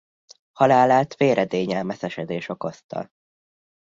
Halálát véredény-elmeszesedés okozta.